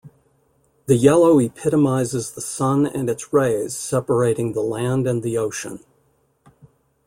The yellow epitomizes the sun and its rays separating the land and the ocean.